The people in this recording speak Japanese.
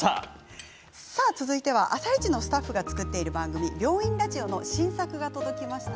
続いては「あさイチ」のスタッフが作っている番組「病院ラジオ」の新作が届きました。